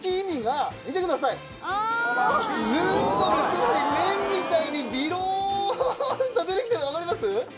つまり麺みたいにビロンと出て来てるの分かります？